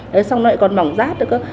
đấy xong rồi nó còn mỏng rát được